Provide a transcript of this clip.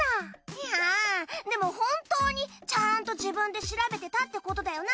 いやぁでも本当にちゃんと自分で調べてたってことだよな？